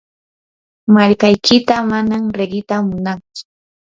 markaykita manam riqita munatsu.